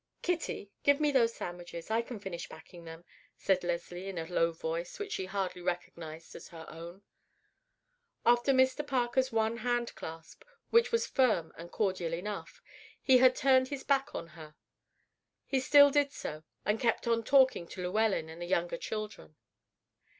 "Kitty, give me those sandwiches. I can finish packing them," said Leslie in a low voice which she hardly recognized as her own. After Mr. Parker's one hand clasp, which was firm and cordial enough, he had turned his back on her. He still did so, and kept on talking to Llewellyn and the younger children.